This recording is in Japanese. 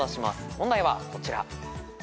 問題はこちら。